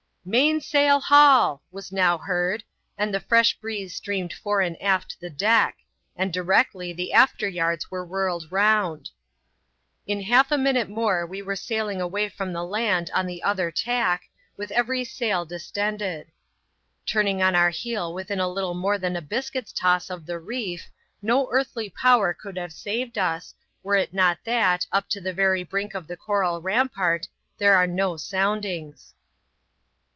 Main sail haul I " was now heard, as the fresh breeze streamed fore and aft the deck; and directly the after yards were whirled round. In half a minute more we were sailing away from the land on the other tack, with every sail distended. Turning on our heel within little more than a biscuit's toss of the reef, no earthly power could have saved us, were it not thsl^ vp to the very brink of the coral ram^tarl) 1iNi<^i^ ^^ "sx^ annn/Jtmna. 92 ADVENTURES IN THE SOUTH SEAS.